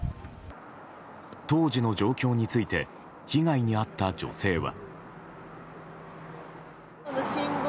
当時の状況について被害に遭った女性は。